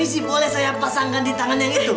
isi boleh saya pasangkan di tangan yang itu